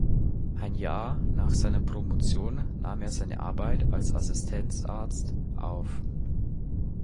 Ein Jahr nach seiner Promotion nahm er seine Arbeit als Assistenzarzt auf.